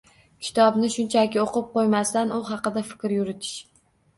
Kitobni shunchaki o‘qib qo‘ymasdan, u haqida fikr yuritish